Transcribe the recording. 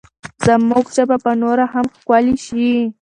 زموږ ژبه به نوره هم ښکلې شي.